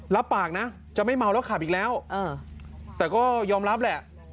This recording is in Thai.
รับปากนะจะไม่เมาแล้วขับอีกแล้วแต่ก็ยอมรับแหละ